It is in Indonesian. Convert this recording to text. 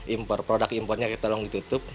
impor produk impornya tolong ditutup